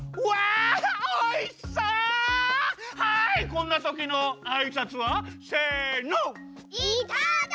こんなときのあいさつは？せの！